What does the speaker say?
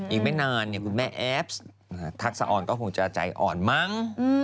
อีกไม่นานคุณแม่แอฟทักษะออนก็คงจะใจอ่อนมั้ง